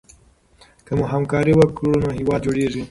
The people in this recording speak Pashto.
که موږ همکاري وکړو نو هېواد جوړېږي.